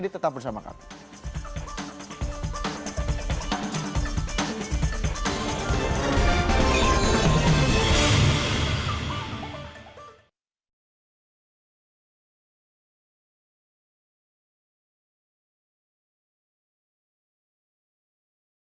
jadi tetap bersama kami